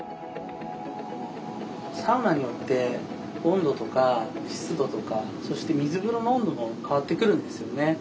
サウナによって温度とか湿度とかそして水風呂の温度も変わってくるんですよね。